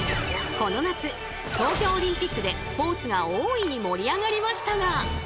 この夏東京オリンピックでスポーツが大いに盛り上がりましたが。